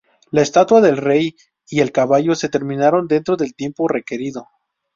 La estatua del rey y el caballo se terminaron dentro del tiempo requerido.